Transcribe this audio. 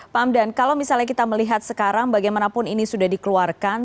pak hamdan kalau misalnya kita melihat sekarang bagaimanapun ini sudah dikeluarkan